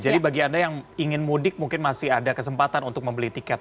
jadi bagi anda yang ingin mudik mungkin masih ada kesempatan untuk membeli tiket